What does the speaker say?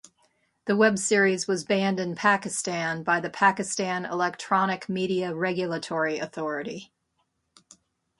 The web series was banned in Pakistan by the Pakistan Electronic Media Regulatory Authority.